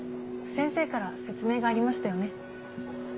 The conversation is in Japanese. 先生から説明がありましたよね？